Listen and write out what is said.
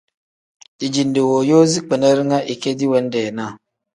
Dijinde wooyoozi kpina ringa ikendi wendeenaa.